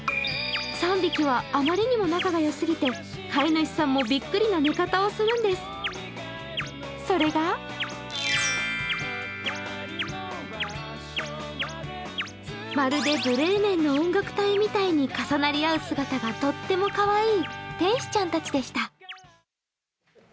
３匹はあまりにも仲が良すぎて飼い主さんもビックリな寝方をするんです、それが、まるでブレーメンの音楽隊みたいに重なり合う姿がとってもかわいい天使ちゃんたちでした。